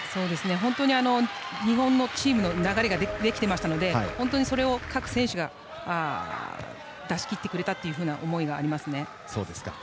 本当に日本チームの流れができていましたので本当にそれを各選手たちが出し切ってくれたという思いがありますね。